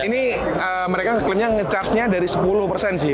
ini mereka klaimnya nge charge nya dari sepuluh persen sih